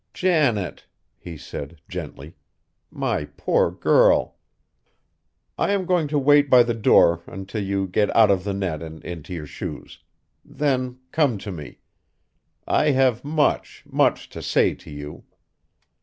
"Janet," he said gently, "my poor girl! I am going to wait by the door until you get out of the net and into your shoes; then come to me. I have much, much to say to you."